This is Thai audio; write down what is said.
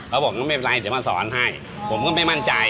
บอกไม่เป็นไรเดี๋ยวมาสอนให้ผมก็ไม่มั่นใจ